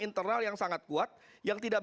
internal yang sangat kuat yang tidak